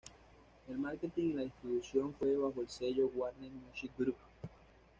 El Marketing y la distribución fue bajo el sello Warner Music Group.